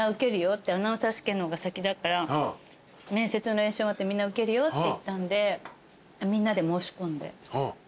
アナウンサー試験の方が先だから面接の練習終わってみんな受けるよって言ったんでみんなで申し込んで。